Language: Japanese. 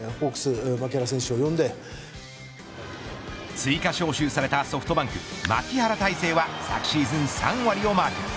追加招集されたソフトバンク牧原大成は昨シーズン３割をマーク。